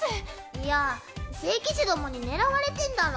いや聖騎士どもに狙われてんだろ。